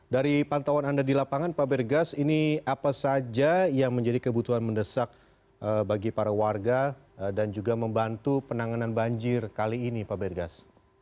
dari pantauan anda di lapangan pak bergas ini apa saja yang menjadi kebutuhan mendesak bagi para warga dan juga membantu penanganan banjir kali ini pak bergas